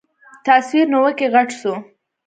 تصوير نوکى غټ سو.